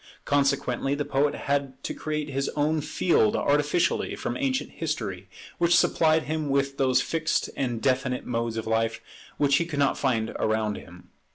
Consequently the poet had to create his own field artificially from ancient history, which supplied him with those fixed and definite modes of life which he could not find around him.